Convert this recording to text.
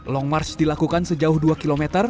long march dilakukan sejauh dua km